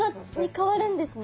変わるんですね。